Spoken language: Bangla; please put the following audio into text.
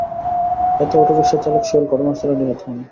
এতে অটোরিকশার চালক সোহেল ঘটনাস্থলে নিহত হন।